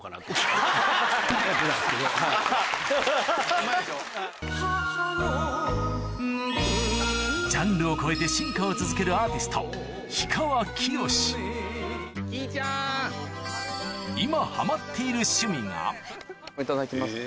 母の温みをジャンルを超えて進化を続けるアーティストいただきます。